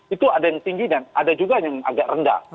itu ada yang tinggi dan ada juga yang agak rendah